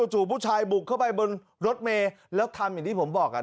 จู่ผู้ชายบุกเข้าไปบนรถเมย์แล้วทำอย่างที่ผมบอก